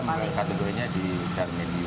kita menggunakan kategorinya di secara medium